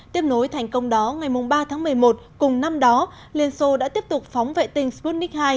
tiếp nối thành công đó ngày ba tháng một mươi một cùng năm đó liên xô đã tiếp tục phóng vệ tinh sputnik hai